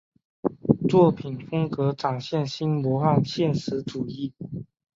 作品风格展现新魔幻现实主义。